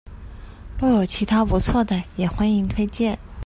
若有其他不錯的也歡迎推薦